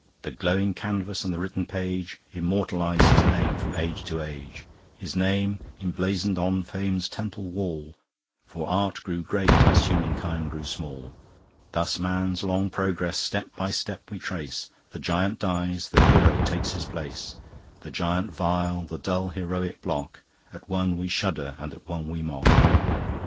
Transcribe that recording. The glowing canvas and the written page Immortaliz'd his name from age to age, His name emblazon'd on Fame's temple wall; For Art grew great as Humankind grew small. Thus man's long progress step by step we trace; The Giant dies, the hero takes his place; The Giant vile, the dull heroic Block: At one we shudder and at one we mock.